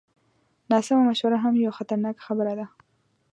ناسمه مشوره هم یوه خطرناکه خبره ده.